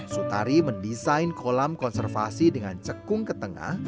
sutari mendesain kolam konservasi dengan cekung ke tengah